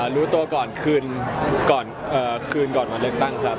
รู้ตัวก่อนคืนก่อนวันเลือกตั้งครับ